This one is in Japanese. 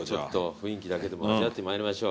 雰囲気だけでも味わってまいりましょう。